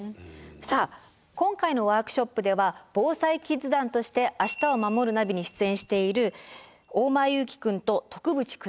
さあ今回のワークショップではＢＯＳＡＩキッズ団として「明日をまもるナビ」に出演している大前優樹君と徳渕来美さん。